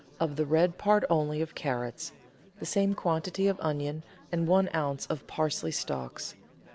of the red part only of carrots, the same quantity of onion, and one oz. of parsley stalks.